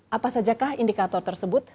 apasajakah indikator tersebut